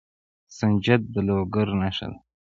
سنجد د لوګر نښه ده.